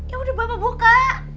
ya udah bapak buka